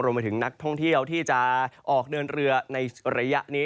มาถึงนักท่องเที่ยวที่จะออกเดินเรือในระยะนี้